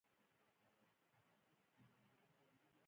علي بختور دی سږ کال خدای خپل درته غوښتلی و. حاجي شو،